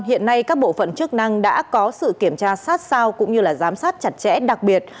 hiện nay các bộ phận chức năng đã có sự kiểm tra sát sao cũng như giám sát chặt chẽ đặc biệt